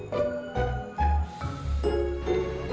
buktinya roh ga point